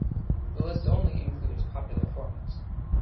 The list only includes popular formats.